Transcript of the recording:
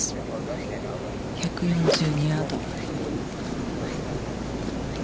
１４２ヤード。